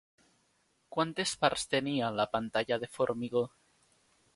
Quantes parts tenia la pantalla de formigó?